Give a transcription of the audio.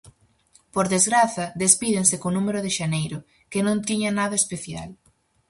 Por desgraza, despídense co número de xaneiro, que non tiña nada especial.